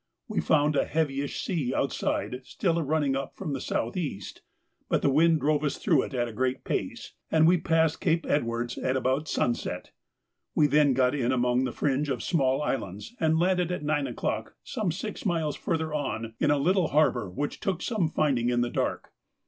We found a heavyish sea outside still running up from the south east, but the wind drove us through it at a great pace, and we passed Cape Edwardes at about sunset. We then got in among the fringe of small islands, and landed at nine o'clock some six miles further on in a little harbour which took some finding in the dark.